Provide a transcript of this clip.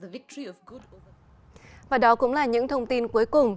và đó cũng là những thông tin cuối cùng